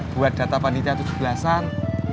buat data panitia tujuh belas an